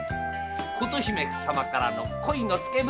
琴姫様からの恋のつけ文！